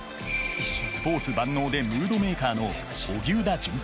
スポーツ万能でムードメーカーの荻生田隼平。